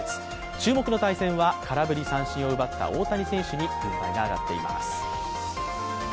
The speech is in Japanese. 注目の対戦は空振り三振を奪った大谷選手に軍配が上がっています。